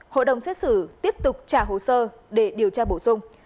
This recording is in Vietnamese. hội đồng xét xử tiếp tục trả hồ sơ để điều tra bổ sung